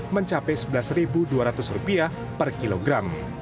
mencapai rp sebelas dua ratus per kilogram